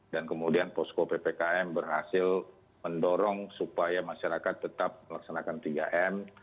dan kemudian posko ppkm berhasil mendorong supaya masyarakat tetap melaksanakan tiga m